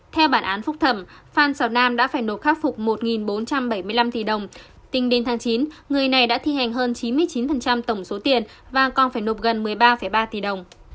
theo bản án phúc thẩm phan xào nam đã phải nộp khắc phục một bốn trăm bảy mươi năm tỷ đồng tính đến tháng chín người này đã thi hành hơn chín mươi chín tổng số tiền và còn phải nộp gần một mươi ba ba tỷ đồng